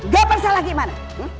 gak pernah gimana